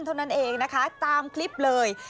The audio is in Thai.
เท่านั้นเองนะคะตามคลิปเลย